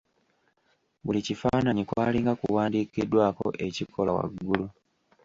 Buli kifaananyi kwalinga kuwandiikiddwako ekikolwa waggulu.